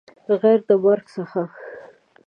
غیر د مرګ څخه